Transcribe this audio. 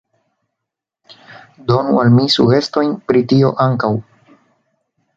Do donu al mi sugestojn pri tio ankaŭ.